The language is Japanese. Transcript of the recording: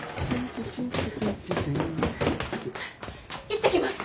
行ってきます。